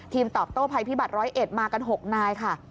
ตอบโต้ภัยพิบัตร๑๐๑มากัน๖นายค่ะ